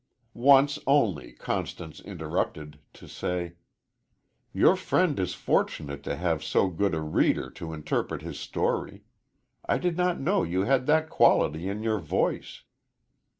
Once only Constance interrupted, to say: "Your friend is fortunate to have so good a reader to interpret his story. I did not know you had that quality in your voice."